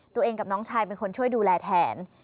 ตัวเองกับน้องชายเป็นคนช่วยดูแลแทน